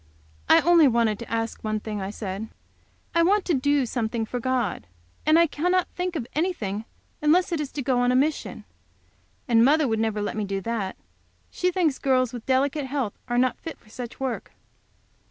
"I only wanted to ask one thing," I said. "I want to do something for God. And I cannot think of anything unless it is to go on a mission. And mother would never let me do that. She thinks girls with delicate health are not fit for such work."